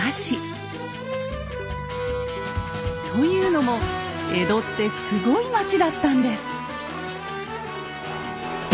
というのも江戸ってすごい町だったんです。